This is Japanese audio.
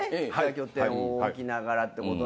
拠点を置きながらってこと。